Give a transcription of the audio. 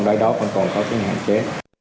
cái đó vẫn còn sáu hạn chế